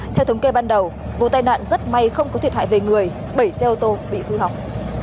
theo thống kê ban đầu vụ tai nạn rất may không có thiệt hại về người bảy xe ô tô bị hư hỏng